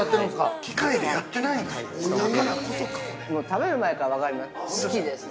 ◆食べる前から分かります。